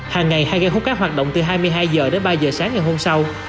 hàng ngày hai hút các hoạt động từ hai mươi hai h đến ba h sáng ngày hôm sau